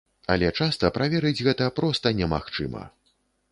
Але часта праверыць гэта проста немагчыма.